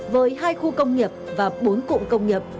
với hai khu công nghiệp và bốn cụm công nghiệp